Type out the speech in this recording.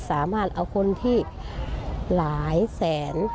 สามารถเอาคนที่หลายแสน